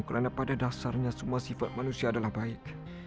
karena pada dasarnya semua sifat manusia adalah baik